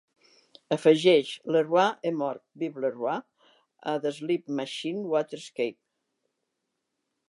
Afegeix Le Roi Est Mort Vive Le Roi a The Sleep Machine Waterscapes